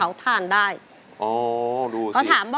สวัสดีครับคุณหน่อย